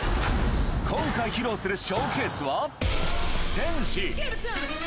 今回披露するショーケースは戦士。